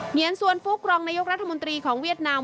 เนียนสวนฟุกรองนายกรัฐมนตรีของเวียดนาม